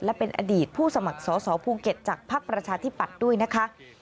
และเป็นอดีตผู้สมัครสอสอภูเก็ตจากภักดิ์ประชาธิปัตย์ด้วยนะคะ